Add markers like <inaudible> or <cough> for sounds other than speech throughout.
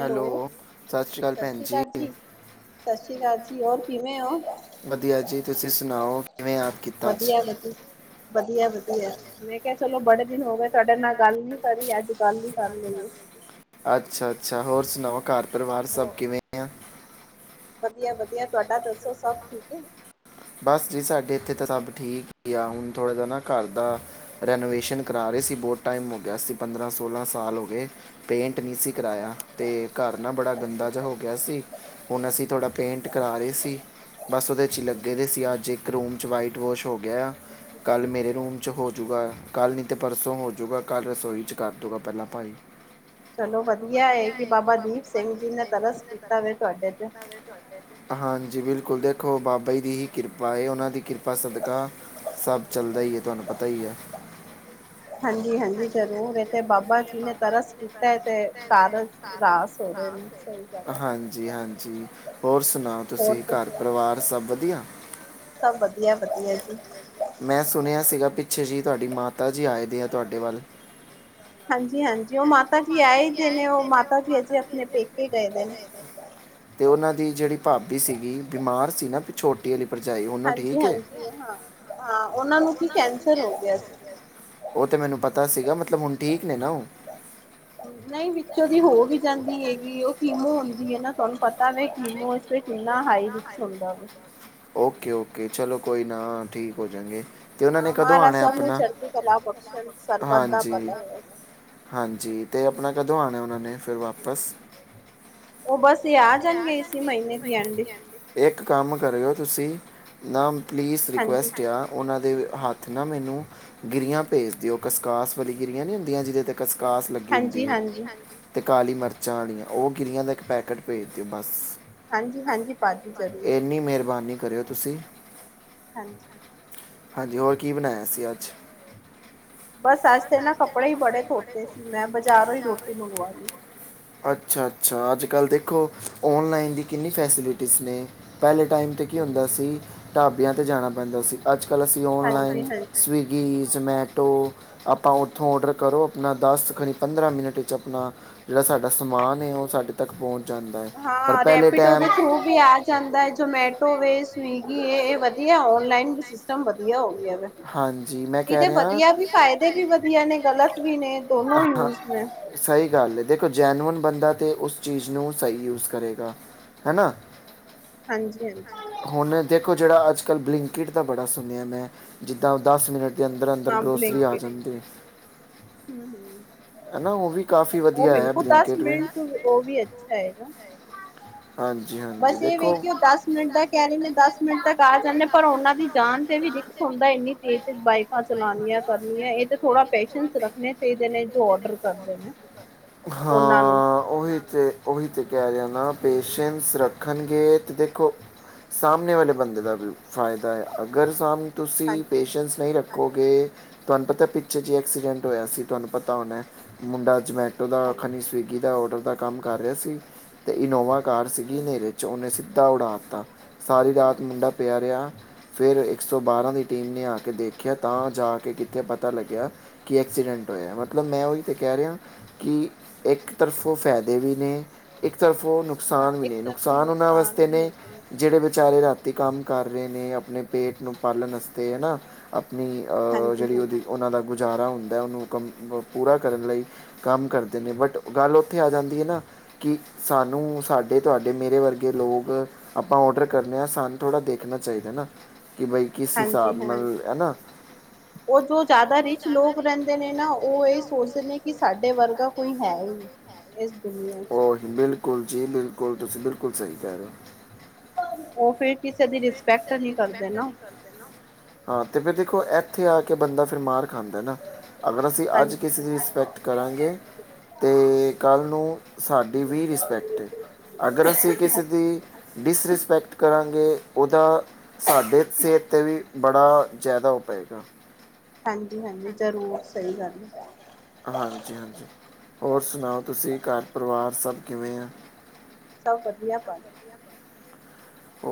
Hello, ਸਤਿ ਸ਼੍ਰੀ ਅਕਾਲ ਭੈਣ ਜੀ। ਸ਼ ਸ੍ਰੀ ਅਕਾਲ ਜੀ ਹੋਰ ਕਿਵੇਂ ਓ। ਵਧੀਆ ਜੀ ਤੁਸੀਂ ਸੁਣਾਓ ਕਿਵੇਂ ਯਾਦ ਕੀਤਾ ਅੱਜ। ਮੈਂ ਕਿਹਾ ਚਲੋ ਬੜੇ ਦਿਨ ਹੋ ਗਏ ਤੁਹਾਡੇ ਨਾਲ ਗੱਲ ਨੀ ਕਰੀ ਅੱਜ ਗੱਲ ਈ ਕਰ ਲਈਏ। ਅੱਛਾ ਅੱਛਾ ਹੋਰ ਸੁਣਾਓ ਘਰ ਪਰਿਵਾਰ ਸਭ ਕਿਵੇਂ ਆ। ਵਧੀਆ ਵਧੀਆ ਤੁਹਾਡਾ ਦੱਸੋ ਸਭ ਠੀਕ ਐ। ਬਸ ਜੀ ਸਾਡੇ ਇੱਥੇ ਤਾਂ ਸਭ ਠੀਕ ਈ ਆ ਹੁਣ ਥੋੜ੍ਹਾ ਜੇਆ ਨਾ ਘਰ ਦਾ ਰੈਨੋਵੇਸ਼ਨ ਕਰਾ ਰਹੇ ਸੀ ਬਹੁਤ ਟਾਈਮ ਹੋ ਗਿਆ ਸੀ ਪੰਦਰਾਂ ਸੋਲਾਂ ਸਾਲ ਹੋ ਗਏ ਪੇਂਟ ਨਹੀਂ ਸੀ ਕਰਾਇਆ ਤੇ ਘਰ ਨਾ ਬੜਾ ਗੰਦਾ ਜਿਹਾ ਹੋ ਗਿਆ ਸੀ ਹੁਣ ਅਸੀਂ ਥੋੜ੍ਹਾ ਪੇਂਟ ਕਰਾ ਰਹੇ ਸੀ ਬਸ ਉਹਦੇ 'ਚ ਹੀ ਲੱਗ ਗੇਦੇ ਸੀ ਅੱਜ ਇੱਕ ਰੂਮ 'ਚ ਵਾਈਟ ਵੋਸ਼ ਹੋ ਗਿਆ ਕੱਲ੍ਹ ਮੇਰੇ ਰੂਮ 'ਚ ਹੋਜੂਗਾ ਕੱਲ੍ਹ ਨਈ ਤੇ ਪਰਸੋਂ ਹੋਜੂਗਾ ਕੱਲ੍ਹ ਰਸੋਈ 'ਚ ਕਰ ਦੂਗਾ ਪਹਿਲਾਂ ਭਾਈ ਚਲੋ ਵਧੀਆ ਐ ਕਿ ਬਾਬਾ ਦੀਪ ਸਿੰਘ ਜੀ ਨੇ ਤਰਸ ਕੀਤਾ ਵੈ ਤੁਹਾਡੇ ਤੇ ਹਾਂਜੀ ਬਿਲਕੁਲ ਦੇਖੋ ਬਾਬਾ ਜ ਦੀ ਹੀ ਕਿਰਪਾ ਏ ਉਹਨਾਂ ਦੀ ਕਿਰਪਾ ਸਦਕਾ ਸਭ ਚੱਲਦਾ ਈ ਐ ਤੁਹਾਨੂੰ ਪਤਾ ਈ ਐ ਹਾਂਜੀ-ਹਾਂਜੀ ਜ਼ਰੂਰ ਇਹ ਤੇ ਬਾਬਾ ਬਾਬਾ ਜੀ ਨੇ ਤਰਸ ਕੀਤਾ ਐ ਤੇ ਘਰ ਅੱਛਾ ਜੀ ਤੁਹਾਡੀ ਮਾਤਾ ਜੀ ਆਏ ਦੇ ਆ ਤੁਹਾਡੇ ਵੱਲ ਤੇ ਓਹਨਾ ਦੀ ਜਿਹੜੀ ਭਾਬੀ ਸੀਗੀ ਬਿਮਾਰ ਸੀ ਨਾ ਛੋਟੀ ਵਾਲੀ ਭਰਜਾਈ ਹੁਣ ਓ ਠੀਕ ਐ? ਉਹ ਤੇ ਮੈਨੂੰ ਪਤਾ ਸੀਗਾ ਮਤਲਬ ਹੁਣ ਠੀਕ ਨੇ ਨਾ ਉਹ ਨਈ ਵਿੱਚੋਂ ਦੀ ਹੋ ਵੀ ਜਾਂਦੀ ਹੈਗੀ ਉਹ ਕੀਮੋ ਹੁੰਦੀ ਐ ਨਾ ਨਾ ਤੁਹਾਨੂੰ ਪਤਾ ਤਾ ਨਈ ਕੀਮੋ ਚ ਤੇ ਕਿੰਨਾ ਹਾਈ ਰਿਸ ਹੁੰਦਾ ਵੈ ਓਕੇ ਓਕੇ ਚਲੋ ਕੋਈ ਨਾ ਠੀਕ ਹੋਜਣਗੇ ਹਾਂ ਮਹਾਰਾਜ ਸਭ ਨੂੰ ਚੜ੍ਹਦੀ ਕਲਾ ਬਖਸ਼ਣ ਸਰਬਤ ਦਾ ਭਲਾ ਹੋਵੇ। ਉਨਾ ਕਦੋਂ ਆਉਣਾਂ ਉਹਨਾਂ ਨੇ ਫਿਰ ਵਾਪਸ ਇੱਕ ਕੰਮ ਕਰਿਓ ਤੁਸੀਂ ਨਾਮ ਪਲੀਜ਼ ਰਿਕੁਐਸਟ ਆ ਉਹਨਾਂ ਦੇ ਦੇ ਹੱਥ ਨਾ ਮੈਨੂੰ ਗਿਰੀਆਂ ਭੇਜ ਦਿਓ, ਖਸਖਾਸ ਵਾਲੀ ਗਿਰੀਆਂ ਨੀ ਹੁੰਦੀਆਂ ਜਿਹਦੇ ਤੇ ਖਸਖਾਸ ਲੱਗੀ ਹੁੰਦੀ ਏ ਤੇ ਕਾਲੀ ਮਿਰਚਾਂ ਵਾਲੀਆਂ ਉਹ ਗਿੱਰੀਆਂ ਦਾ ਇੱਕ ਪੈਕੇਟ ਭੇਜ ਦੇ ਬਸ ਏਨੀ ਮਿਹਰਬਾਨੀ ਕਰਿਓ ਤੁਸੀਂ ਹਾਂਜੀ ਹਾਂਜੀ, ਹੋਰ ਕੀ ਬਣਾਇਆ ਸੀ ਅੱਜ? ਅੱਛਾ -ਅੱਛਾ, ਅੱਜ ਅੱਜ- ਕੱਲ੍ਹ ਦੇਖੋ ਔਨਲਾਈਨ ਦੀ ਕਿੰਨੀ ਫੈਸਿਲਿਟੀਜ਼ ਨੇ। ਪਹਿਲੇ ਟਾਈਮ 'ਤੇ ਕੀ ਹੁੰਦਾ ਸੀ ਢਾਬਿਆਂ ਉਧਰ ਜਾਣਾ ਪੈਂਦਾ ਸੀ। ਅੱਜ -ਕੱਲ੍ਹ ਅਸੀਂ ਔਨਲਾਈਨ ਸਵੀਗੀ, ਜ਼ਮੈਟੋ ਆਪਾਂ ਉੱਥੋਂ ਔਡਰ ਕਰੋ, ਆਪਣਾ ਦਸ ਖਣੀ ਪੰਦਰਾਂ ਮਿੰਟ 'ਚ ਨਾ ਜਿਹੜਾ ਸਾਡਾ ਸਮਾਨ ਹੈ, ਉਹ ਸਾਡੇ ਤੱਕ ਪਹੁੰਚ ਜਾਂਦਾ ਹੈ ।ਪਰ ਪਹਿਲੇ ਟਾਈਮ ਕੀ ਇਹ ਵਧੀਆ ਔਨਲਾਈਨ ਸਿਸਟਮ ਵਧੀਆ ਹੋ ਇਹਦੇ ਵਧੀਆ ਵੀ ਫਾਇਦੇ ਵੀ ਵਧੀਆ ਨੇ ਗਲਤ ਵੀ ਨੇ ਦੋਨੋ ਯੂਜ ਨੇ। ਜੈਨੂਅਨ ਬੰਦਾ ਤਾਂ ਉਸ ਚੀਜ਼ ਨੂੰ ਸਹੀ ਯੂਜ਼ ਕਰੇਗਾ, ਹੈ ਨਾ! ਹਾਂਜੀ -ਹਾਂਜੀ ਹੁਣ ਦੇਖੋ ਜੇਹੜਾ ਅੱਜ -ਕੱਲ੍ਹ ਬਲਿੰਕਿਟ ਦਾ ਬੜਾ ਸੁਣਿਆ ਮੈਂ ਜਿੱਦਾਂ ਦਸ ਮਿੰਟ ਦੇ ਅੰਦਰ -ਅੰਦਰ ਗਰੋਸਰੀ ਆ ਜਾਂਦੀ। ਹਮ -ਹਮ। ਉਹ ਬਿਲਕੁਲ ਦਸ ਮਿੰਟ ਤੋਂ ਉਹ ਵੀ ਅੱਛਾ ਆਏਗਾ। ਬਸ ਇਹ ਵੇਖ ਉਹ ਦਸ ਮਿੰਟ ਦਾ ਕਹਿ ਲਿੰਦੇ ਦਸ ਮਿੰਟ ਤੱਕ ਆ ਜਾਂਦੇ ਪਰ ਉਹਨਾਂ ਦੀ ਜਾਨ ਤੇ ਵੀ ਰਿਕਸ ਹੁੰਦਾ ਇੰਨੀ ਤੇਜ਼ ਤੇ ਬਾਈਕਾਂ ਚਲਾਨੀਆਂ ਕਰਨੀਆਂ ਇਹ ਤੇ ਥੋੜਾ ਪੈਸ਼ ਰੱਖਣੇ ਚਾਹੀਦੇ ਨੇ। ਜੋ ਓਡਰ ਕਰਦੇ ਨੇ, ਓਹਨਾਂ ਨੂੰ ਕਹਿ ਜਾਂਦਾ ਪੇਸ਼ੈਂਸ ਰੱਖਣਗੇ ਤੇ ਦੇਖੋ ਸਾਹਮਣੇ ਵਾਲੇ ਬੰਦੇ ਦਾ ਵੀ ਫਾਇਦਾ ਆ। ਅਗਰ ਸਾਮ ਤੁਸੀਂ ਪੇਸ਼ੈਂਸ ਨਹੀਂ ਰੱਖ ਰੱਖੋਗੇ ਤੁਹਾਨੂੰ ਪਤਾ ਪਿੱਛੇ ਜੇ ਐਕਸੀਡੈਂਟ ਹੋਇਆ ਸੀ ਤੁਹਾਨੂੰ ਪਤਾ ਹੋਣਾ ਮੁੰਡਾ ਜਮੈ ਉਹ ਦਾ ਖਣੀ ਸਵਿਗੀ ਔਡਰ ਦਾ ਕੰਮ ਕਰ ਰਿਹਾ ਸੀ ਤੇ ਇਨੋਵਾ ਕਾਰ ਸੀਗੀ ਹਨੇਰੇ ਚ ਉਹਨੇ ਸਿੱਧ ਉਡਾ ਤਾ। ਸਾਰੀ ਰਾਤ ਮੁੰਡਾ ਪਿਆ ਰਿਹਾ ਫਿਰ ਇੱਕ ਸੌ ਬਾਰ੍ਹਾਂ ਦੀ ਟੀਮ ਨੇ ਆ ਕੇ ਦੇਖਿਆ ਤਾਂ ਜਾ ਕੇ ਕਿੱਥੇ ਪਤਾ ਲੱਗਿਆ ਕਿ ਐਕਸੀਡੈਂਟ ਹੋਇਆ ਮਤਲਬ ਮੈਂ ਉਹੀ ਤਾਂ ਕਹਿ ਰਿਹਾ ਕਿ ਇੱਕ ਤਰਫੋਂ ਫਾਇਦੇ ਵੀ ਨੇ ਇੱਕ <unintelligible> ਉਹ ਨੁਕਸਾਨ ਵੀ ਨੇ, ਨੁਕਸਾਨ ਉਹਨਾਂ ਵਾਸਤੇ ਨੇ ਜਿਹੜੇ ਵਿਚਾਰੇ ਰਾ ਤੇ ਕੰਮ ਕਰ ਰਹੇ ਨੇ ਆਪਨੇ ਪੇਟ ਨੂੰ ਪਾਲਣ ਵਾਸਤੇ ਹਨਾ। ਆਪਣੀ ਉਹ ਉਹਦੀ ਉਹਨਾਂ ਦਾ ਗੁਜ਼ਾਰਾ ਹੁੰ ਹੁੰਦਾ ਉਹਨੂੰ ਕੰਮ ਪੂਰਾ ਕਰਨ ਲਈ ਕੰਮ ਕਰਦੇ ਨੇ ਬਟ ਗੱਲ ਉੱਥੇ ਆ ਜਾਂਦੀ ਹੈ ਨਾ ਕਿ ਸਾਨੂੰ ਸਾਡੇ ਤੁਹਾਡੇ ਮੇਰੇ ਵਰਗੇ ਲੋਕ ਆਪਾਂ ਔਡਰ ਕਰਨੇ ਹਾਂ ਸਾਨੂੰ ਥੋੜ੍ਹਾ ਦੇਖਣਾ ਚਾਹੀਦਾ ਨਾ। ਹਾਂਜੀ-ਹਾਂਜੀ ਉਹ ਜੋ ਜਾਦਾ ਰਿਚ ਲੋਕ ਰਹਿੰਦੇ ਨੇ ਨਾ ਉਹ ਇਹ ਸੋਚ ਨੇ ਕਿ ਸਾਡੇ ਵਰਗਾ ਕੋਈ ਹੈ ਹੀ ਨਹੀਂ ਇਸ ਓਹੀ ਬਿਲਕੁਲ ਜੀ ਬਿਲ <unintelligible> ਕੁਲ ਸਹੀ ਕਿਹ ਰਹੇ ਹੋ। ਉਹ ਫੇਰ ਕਿਸੇ ਦੀ ਰਿਸਪੈਕਟ ਨੀ ਪੈਕਟ ਨੀ ਕਰਦੇ। ਹਾਂ ਤੇ ਫਿਰ ਦੇਖੋ ਇੱਥੇ ਆ ਕੇ ਬੰਦਾ ਫੇਰ ਮਾਰ ਖਾਂਦਾ ਨਾ ਅਗਰ ਅਸੀਂ ਅੱਜ ਕਿਸੀ ਦੀ ਰਿਸਪੈਕਟ ਕਰਾਂਗੇ ਤੇ ਕੱਲ੍ਹ ਨੂੰ ਸਾਡੀ ਵੀ ਰਿਸਪੈਕਟ ਏ, ਅਗਰ ਅਸੀਂ ਕਿਸੇ ਦੀ ਡਿਸਰਿਸਪੈਕਟ ਕਰਾਂਗੇ ਉਹ ਤਾਂ ਸਾਡੇ ਸਿਹਤ ਤੇ ਵੀ ਬੜਾ ਜਾਦਾ ਉਹ ਪਾ ਪਏਗਾ। ਹਾਂਜੀ-ਹਾਂਜੀ ਜ਼ਰੂਰ ਸਹੀ ਗੱਲ ਹੈ। ਹਾਂਜੀ-ਹਾਂਜੀ ਹੋਰ ਸੁਣਾਓ ਤੁਸੀਂ ਘਰ ਪਰਿਵਾਰ ਸਭ ਕਿਵੇਂ ਆ। ਸਭ ਵਧੀਆ ਪਾਜੀ।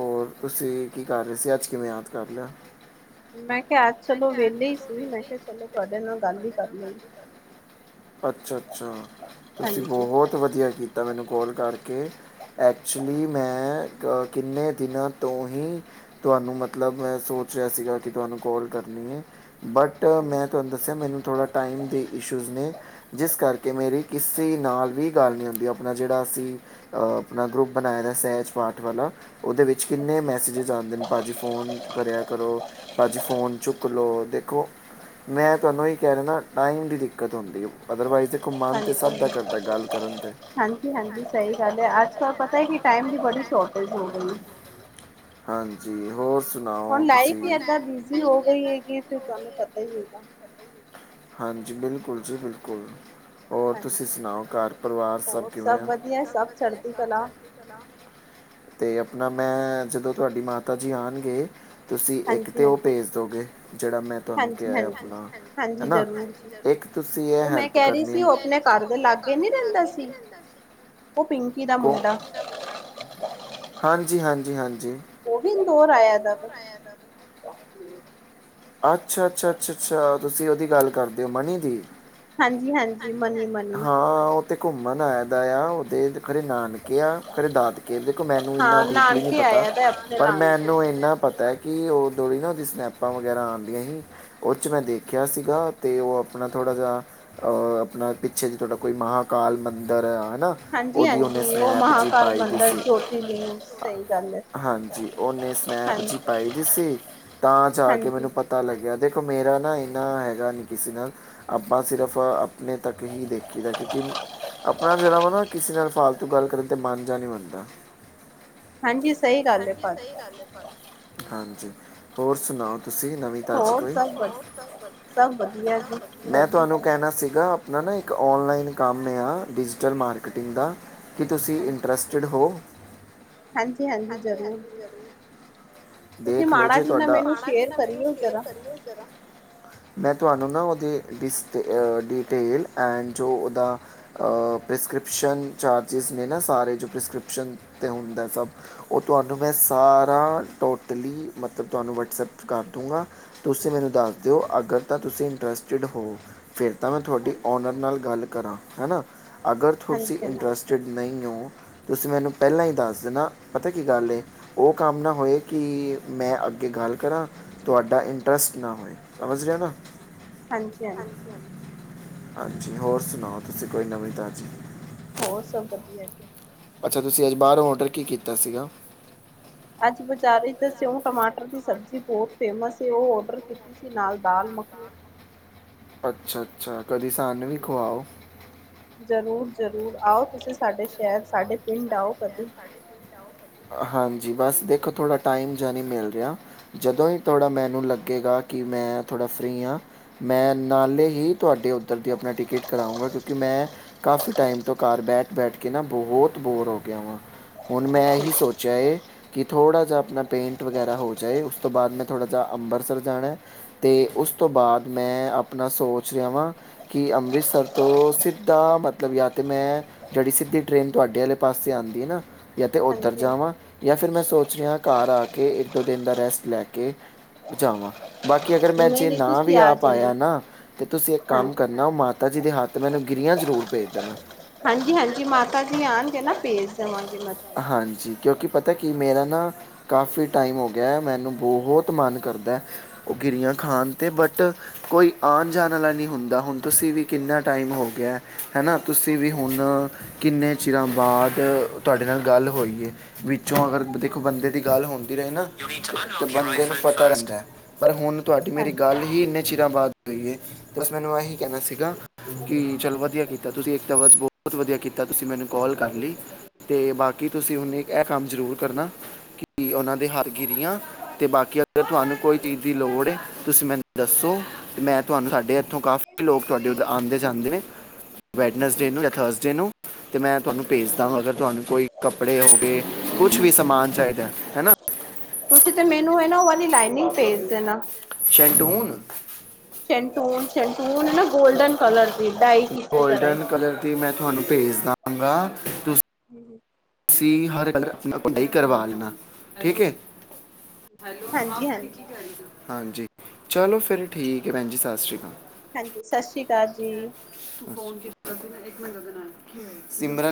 ਔਰ ਤੁਸੀ ਕੀ ਕਰ ਰਹੇ ਸੀ, ਅੱਜ ਕਿਵੇਂ ਯਾਦ ਕਰ ਲਿਆ। ਮੈਂ ਕਿਹਾ ਮੈਂ ਕਿਹਾ ਚਲੋ ਵੇਲੇ ਹੀ ਸੀ ਚਲੋ ਤੁਹਾਡੇ ਨਾਲ ਗੱਲ ਹੀ ਕਰ ਲਈ। ਅੱਛਾ-ਅੱਛਾ ਤੁਸੀਂ ਬਹੁਤ ਵਧੀਆ ਕੀਤਾ ਮੈਨੂੰ ਕੋਲ ਕਰਕੇ ਐਕਚੁਲੀ ਮੈਂ ਅ ਕਿੰਨੇ ਦਿਨਾਂ ਤੋਂ ਹੀ ਤੁਹਾਨੂੰ ਮਤਲਬ ਮੈਂ ਸੋਚ ਰਿਹਾ ਸੀਗਾ ਕਿ ਤੁਹਾਨੂੰ ਕੋਲ ਕਰ ਨੀ ਏ। ਬਟ ਮੈਂ ਤੁਹਾਨੂੰ ਦੱਸਿਆ ਮੈਨੂੰ ਥੋੜ੍ਹਾ ਟਾਈਮ ਦੇ ਇਸ਼ੂਜ਼ ਨੇ। ਜਿਸ ਕਰਕੇ ਮੇਰੀ ਕਿਸੇ ਨਾਲ ਵੀ ਗੱਲ ਨਹੀਂ ਹੁੰਂਦੀ ਆਪਣਾ ਜਿਹੜਾ ਅਸੀਂ ਆਪਣਾ ਗਰੁੱਪ ਬਣਾਇਆ ਦਾ ਸਹਿਜ ਪਾਠ ਵਾਲਾ ਉਹਦੇ ਵਿੱਚ ਕਿੰਨੇ ਮੈਸੇਜਿਸ ਆਂਦੇ ਨੇ। ਭਾਅ ਜੀ ਫੋਨ ਕਰਿਆ ਕਰੋ ਭਾਅ ਜੀ ਫੋਨ ਚੁੱ ਕ ਲੋ ਦੇਖੋ ਮੈਂ ਤੁਹਾਨੂੰ ਇਹ ਕਹਿ ਰਿਹਦਾ ਟਾਈਮ ਦੀ ਦਿੱਕਤ ਹੁੰਦੀ ਅਦਰਵਾਈਜ਼ ਹਾਂਜੀ-ਹਾਂਜੀ, ਹਾਂਜੀ ਸਹੀ ਗੱਲ ਹੈ ਅੱਜ ਕੱਲ ਪਤਾ ਕਿ ਟਾਈਮ ਦੀ ਬੜੀ ਸ਼ੋਟੇਜ ਹੋ ਗਈ। ਹਾਂਜੀ, ਹੋਰ ਸੁ ਹੁਣ ਲਾਈਫ ਹੀ ਏਦਾਂ ਬਿਜੀ ਹੋ ਗਈ। ਹੈਗੀ ਫਿਰ ਤੁਹਾਨੂੰ ਪਤਾ ਹੀ ਹੈਗਾ। ਹਾਂਜੀ ਬਿਲਕੁਲ ਜੀ, ਬਿਲਕੁਲ ਹਾਂਜੀ ਹੋਰ ਸਭ ਵਧੀਆ ਸਭ ਚੜ੍ਹਦੀ ਕਲਾ। ਤੇ ਆਪਣਾ ਮੈਂ ਜਦੋਂ ਤੁਹਾਡੀ ਮਾਤਾ ਜੀ ਆਣਗੇ ਤੁਸੀਂ ਇੱਕ ਤਾਂ ਉਹ ਭੇਜ ਦੋਗੇ। ਤਾਂ ਮੈਂ ਤੁਹਾਨੂੰ ਕਿਹਾ ਆਪਣਾ ਹਨਾ ਇੱਕ ਤੁਸੀਂ ਇਹ ਹੈਲਪ ਕਰਨੀ ਉਹ ਮੈਂ ਕਹਿ ਰਹੀ ਸੀ ਉਹ ਆਪਣੇ ਘਰ ਦੇ ਲਾਗੇ ਨੀ ਰਹਿੰਦਾ ਸੀ ਕੋਣ ਉਹ ਪਿੰਕੀ ਦਾ ਮੁੰਡਾ ਹਾਂਜੀ- ਹਾਂਜੀ -ਹਾਂਜੀ। ਜੀ, ਹੋਰ ਆਇਆ ਤਾ ਮੈਂ ਅੱਛਾ -ਅੱਛਾ -ਅੱਛਾ- ਅੱਛਾ ਤੁਸੀਂ ਉਹਦੀ ਗੱਲ ਕਰਦੇ ਹੋ ਮਨੀ ਦੀ। ਹਾਂਜੀ-ਹਾਂਜੀ, ਹਾਂ ਉਹ ਉਥੇ ਘੁੰਮਣ ਆਇਆ ਦਾ ਆ ਉਹਦੇ ਘਰੇ ਨਾਨਕੇ ਆ ਘਰੇ ਦਾਦਕੇ ਦੇਖੋ ਮੈਨੂੰ ਇੰਨਾ ਡੀਪਲੀ ਨਹੀਂ ਪਤਾ, ਪਰ ਮੈਨੂੰ ਇੰਨਾ ਪਤਾ ਕਿ ਉਹ ਦੌੜੀ ਨਾ ਉਹਦੀ ਸਨੈਪਾਂ ਵਗੈਰਾ ਆਦੀਆਂ ਸੀ ਉਹ ਚ ਮੈਂ ਦੇਖਿਆ ਸੀਗਾ ਅਤੇ ਉਹ ਆਪਣਾ ਥੋੜ੍ਹਾ ਜਿਹਾ ਆਪਣਾ ਪਿੱਛੇ ਜੇ ਤੁਹਾਡਾ ਕੋਈ ਮਹਾਂਕਾਲ ਮੰਦਰ ਹੈ। ਹਨਾ ਉਹਦੀ ਉਹਨੇ ਸਨੈਪ ਜ ਪਾਈ ਦੀ ਸੀ, ਹਾਂਜੀ ਓਹਨੇ ਸਨੈਪ ਜੀ ਪਾਈ ਦੀ ਸੀ ਤਾਂ ਜਾ ਕੇ ਮੈਨੂੰ ਪਤਾ ਲੱਗਿਆ ਦੇ ਮੇਰਾ ਨਾ ਇੰਨਾ ਹੈਗਾ ਨੀ ਕਿਸੇ ਨਾਲ ਆਪਾਂ ਸਿਰਫ ਆਪਾਂ ਆਪਣੇ ਤੱਕ ਹੀ ਦੇਖੀ ਦਾ ਕਿਉਂਕਿ ਆਪਣਾ ਜਿਹੜਾ ਵਾ ਨਾ ਕਿਸੇ ਨਾਲ ਫਾਲਤੂ ਗੱਲ ਕਰਨ ਤਾਂ ਮਨ ਜਾ ਨਹੀਂ ਮੰਨਦਾ। ਹਾਂਜੀ ਹਾਂਜੀ ਸਹੀ ਗੱਲ ਪਰ ਹਾਂ ਹੋਰ ਸੁਣਾਓ ਤੁਸੀਂ ਨਵੀਂ ਤਾਜ਼ੀ ਕੋਈ, ਮੈਂ ਤੁਹਾਨੂੰ ਕਹਿਣਾ ਸੀਗਾ ਨਾ ਨਾ ਇੱਕ ਔਨਲਾਈਨ ਕੰਮ ਐ ਇਹ ਡਿਜੀਟਲ ਮਾਰਕੀਟਿੰਗ ਦਾ ਕੀ ਤੁਸੀਂ ਇੰਟਰਸਟਿਡ ਹੋ? ਦੇਖਲੋ ਜੇ ਤੁਹਾਡਾ ਮਾੜਾ ਜਾ ਨਾ ਫੇਰ ਕਰਿਓ ਜ਼ਰਾ ਮੈਂ ਤੁਹਾਨੂੰ ਨਾ ਉਹਦੀ ਡਿਸਟ ਡਿਟੇਲ ਐਂਡ ਜੋ ਉਹਦਾ ਪ੍ਰਿਸਕ੍ਰਿਪਸ਼ਨ ਚਾਰਜਿਸ ਨੇ ਨਾ ਸਾਰੇ ਜੋ ਪ੍ਰਿਸਕ੍ਰਿਪਸ਼ਨ ਤੇ ਹੁੰਦਾ ਸਭ ਉਹ ਤੁਹਾਨੂੰ ਮੈਂ ਸਾਰਾ ਟੋਟਲੀ ਮਤਲਬ ਤੁਹਾਨੂੰ ਵਟਸਐਪ ਕਰ ਦੂੰਗਾ, ਤੁਸੀਂ ਮੈਨੂੰ ਦੱਸ ਦਿਓ ਅਗਰ ਤਾਂ ਤੁਸੀਂ ਇੰਟਰਸਟਿਡ ਹੋ ਫਿਰ ਤਾਂ ਮੈਂ ਤੁਹਾਡੀ ਔਨਰ ਨਾਲ ਗੱਲ ਕਰਾ ਹੈਨਾ। ਅਗਰ ਤੁਸੀ ਇੰਟਰਸਟਿਡ ਨਹੀਂ ਹੋ ਤੁਸੀਂ ਮੈਨੂੰ ਪਹਿਲਾਂ ਹੀ ਦੱਸ ਦੇਨਾ। ਪਤਾ ਕੀ ਗੱਲ ਉਹ ਕੰਮ ਨਾ ਹੋਏ ਕਿ ਮੈਂ ਅੱਗੇ ਗੱਲ ਕਰਾਂ ਤੁਹਾਡਾ ਇੰਟਰਸਟ ਨਾ ਹੋਏ ਸਮਝ ਰਹੇ ਹੋ ਨਾ। ਹਾਂਜੀ -ਹਾਂਜੀ ਹਾਂਜੀ ਹੋਰ ਸੁਣਾਓ ਤੁਸੀਂ ਕੋਈ ਨਵੀਂ ਤਾਜ਼ੀ। ਹੋਰ ਸਭ ਵਧੀਆ ਤੇ ਅੱਛਾ ਤੁਸੀਂ ਅੱਜ ਬਾਹਰੋਂ ਔਡਰ ਕੀ ਕੀਤਾ ਸੀਗਾ। ਟਮਾਟਰ ਦੀ ਸਬਜ਼ੀ ਬਹੁਤ ਫੇਮਸ ਸੀ ਉਹ ਔਡਰ ਕੀਤੀ ਸੀ ਨਾਲ ਦਾਲ ਮੱਖਣੀ। ਅੱਛਾ ਅੱਛਾ। ਕਦੇ ਸਾਨੂੰ ਵੀ ਖੁਆਓ। ਜ਼ਰੂਰ ਆਓ ਤੁਸੀਂ ਸਾਡੇ ਸ਼ਹਿਰ ਸਾਡੇ ਪਿੰਡ ਆਓ ਕਦੇੋਂ। ਹਾਂਜੀ ਬਸ ਦੇਖੋ ਥੋੜ੍ਹਾ ਟਾਈਮ ਜਾਂ ਨਹੀਂ ਮਿਲ ਰਿਹਾ ਜਦੋਂ ਹੀ ਥੋੜ੍ਹਾ ਮੈਨੂੰ ਲੱਗੇਗਾ ਕਿ ਮੈਂ ਥੋੜ੍ਹਾ ਫ੍ਰਰੀ ਹਾਂ ਮੈਂ ਨਾਲੇ ਹੀ ਤੁਹਾਡੇ ਉੱਧਰ ਦੀ ਆਪਣਾ ਟਿਕਟ ਕਰਾਊਂਗਾ ਕਿਉਂਕਿ ਮੈਂ ਕਾਫ਼ੀ ਟਾਈਮ ਤੋਂ ਘਾਰ ਬੈਠ ਬੈਠ ਕੇ ਨਾ ਬਹੁਤ ਬੋਰ ਹੋ ਗਿਆ ਵਾਂ ਹੁਣ ਮੈਂ ਹੀ ਸੋਚਿਆ ਹੈ ਕਿ ਥੋੜ੍ਹਾ ਜਿਹਾ ਆਪਣਾ ਪੇਂਟ ਵਗੈਰਾ ਹੋ ਜਾਏ ਉਸ ਤੋਂ ਬਾਅਦ ਮੈਂ ਥੋੜ੍ਹਾ ਜਿਹਾ ਅੰਬਰਿਤਸਰ ਜਾਣਾ ਅਤੇ ਉਸ ਤੋਂ ਬਾਅਦ ਮੈਂ ਆਪਣਾ ਸੋਚ ਰਿਹਾ ਵਾਂ ਕਿ ਅੰਮ੍ਰਿਤਸਰ ਤੋਂ ਸਿੱਧਾ ਮਤਲਬ ਜਾਂ ਤਾਂ ਮੈਂ ਜਿਹੜੀ ਸਿੱਧੀ ਟ੍ਰੇਨ ਤੁਹਾਡੇ ਵਾਲੇ ਪਾਸੇ ਆਉਂਦੀ ਹੈ ਨਾ ਜਾਂ ਤਾਂ ਉ ਉੱ ਜਾਵਾਂ ਜਾਂ ਫਿਰ ਮੈਂ ਸੋਚ ਰਿਹਾ ਘਰ ਆ ਕੇ ਇੱਕ ਦੋ ਦਿਨ ਦਾ ਰੈਸਟ ਲੈ ਕੇ ਜਾਵਾਂ ਬਾਕੀ ਅਗਰ ਮੈਂ ਜੇ ਨਾਂ ਵੀ ਆਪਾਇਆ ਨਾ ਤਾਂ ਤੁਸੀਂ ਇੱਕ ਕੰਮ ਕਰਨਾ ਉਹ ਮਾ <inaudible> ਜੀ ਦੇ ਹੱਥ ਮੈਨੂੰ ਗਿਰਰੀਆਂ ਜ਼ਰੂਰ ਭੇਜ ਦੇਣਾ। ਹਾਂਜੀ ਹਾਂਜੀ ਮਾਤਾ ਜੀ ਆਉਣਗੇ ਨਾ ਭੇਜ। ਦੇਵਾਂਗੀ। ਹਾਂਜੀ। ਕਿਉਂਕਿ ਪਤਾ ਕਿ ਮੇਰਾ ਨਾ ਕਾਫੀ ਟਾਈਮ ਹੋ ਗਿਆ ਮੈਨੂੰ ਬਹੁਤ ਮਨ ਕਰਦਾ ਉਹ ਗਿਰੀਆਂ ਖਾਣ 'ਤੇ ਬਟ ਕੋਈ ਆਉਣ ਜਾਣ ਵਾਲਾ ਨਹੀਂ ਹੁੰਦਾ ਹੁਣ ਤੁਸੀਂ ਵੀ ਕਿੰਨਾ ਟਾਈਮ ਹੋ ਗਿਆ ਹੈ ਨਾ ਤੁਸੀਂ ਵੀ ਹੁਣ ਕਿੰਨੇ ਚਿਰਾਂ ਬਾਅਦ। ਤੁਹਾਡੇ ਨਾਲ ਗੱਲ ਹੋਈਏ ਵਿੱਚੋਂ ਅਗਰ ਦੇਖੋ ਬੰਦੇ ਦੀ ਗੱਲ ਹੁੰਦੀ ਰਹੇ ਨਾ ਤਾਂ ਬੰਦੇ ਨੂੰ ਪਤਾ ਰਹਿੰਦਾ ਹੈ ਪਰ ਹੁਣ। ਤੁਹਾਡੀ ਮੇਰੀ ਗੱਲ ਹੀ ਇੰਨੇ ਚਿਰਾਂ ਬਾਅਦ। ਹੋਈ ਹੈ ਬਸ ਮੈਨੂੰ ਇਹੀ ਕਹਿਣਾ ਸੀਗਾ ਕਿ ਚੱਲ ਵਧੀਆ ਕੀਤਾ ਤੁਸੀਂ ਇੱਕ ਤਾਂ ਵੈਸੇ ਬਹੁਤ ਵਧੀਆ ਕੀਤਾ ਤੁਸੀਂ ਮੈਨੂੰ ਕਾਲ ਕਰ ਲਈ। ਅਤੇ ਬਾਕੀ ਤੁਸੀਂ ਹੁਣ ਇੱਕ ਇਹ ਕੰਮ ਜ਼ਰੂਰ ਕਰਨਾ ਕਿ ਉਹਨਾਂ ਦੇ ਹੱਥ ਗਿਰੀਆਂ ਅਤੇ ਬਾਕੀ ਅਗਰ ਤੁਹਾਨੂੰ ਕੋਈ ਚੀਜ਼ ਦੀ ਲੋੜ ਹੈ ਤੁਸੀਂ ਮੈਨੂੰ ਦੱਸੋ ਅਤੇ ਮੈਂ ਤੁਹਾਨੂੰ ਸਾਡੇ ਇੱਥੋਂ ਕਾਫੀ ਲੋਕ ਤੁਹਾਡੇ ਉੱਧਰ ਆਉਂਦੇ ਜਾਂਦੇ ਨੇ ਵੈਡਨਸਡੇ ਨੂੰ ਜਾਂ ਥਰਸਡੇ ਨੂੰ ਅਤੇ ਮੈਂ ਤੁਹਾਨੂੰ ਭੇਜਦਾ ਅਗਰ। ਤੁਹਾਨੂੰ ਕੋਈ ਕੱਪੜੇ ਹੋ ਗਏ ਕੁਛ ਵੀ ਸਮਾਨ ਚਾਹੀਦਾ ਹਨਾ। ਤੁਸੀਂ ਤੇ ਮੈਨੂੰ ਹੈ ਨਾ ਉਹੀ ਲਾਈਨਿੰਗ ਭੇਜ ਦੇਣਾ। ਸ਼ੰਟੂਨ ਸ਼ੰਟੂਨ ਸ਼ੰਟੂਨ ਗੋਲਡਨ ਕਲਰ ਦੀ ਮੈਂ ਤੁਹਾਨੂੰ ਭੇਜ ਦਵਾਂਗਾ ਤੁਸੀਂ? ਤੁਸੀ ਹਰ ਕਲਰ ਆਪਣਾ ਡਾਈ ਕਰਵਾ ਲੈਣਾ ਠੀਕ ਏ । ਹੈਲੋ ਹਾਂ ਭੈਣੇ ਕੀ ਕਹਿ ਰਹੇ ਸੀ? ਹਾਂਜੀ ਚਲੋ ਫਿਰ ਠੀਕ ਹੈ ਭੈਣ ਜੀ ਸਤਿ ਸ਼੍ਰੀ ਅਕਾਲ। ਜੀ। ਸਿਮਰਨ।